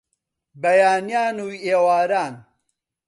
بەیانیان و ئێواران